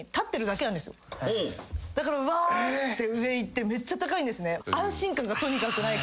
だからわーって上いってめっちゃ高いんですね。